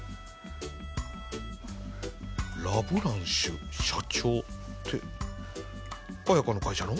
ラ・ブランシュ社長って綾華の会社の？